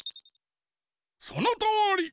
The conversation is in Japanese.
そのとおり！